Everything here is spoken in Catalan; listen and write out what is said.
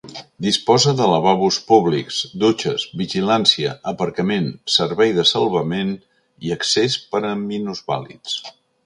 Disposa de lavabos públics, dutxes, vigilància, aparcament, servei de salvament i accés per a minusvàlids.